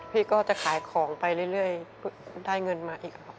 พี่ก็จะขายของไปเรื่อยได้เงินมาอีกครับ